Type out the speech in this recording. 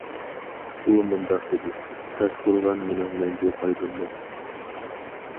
ئۇ مۇنداق دېدى:« تاشقورغان مېنىڭ مەڭگۈ قەلبىمدە».